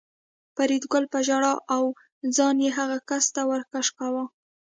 فریدګل په ژړا و او ځان یې هغه کس ته ور کش کاوه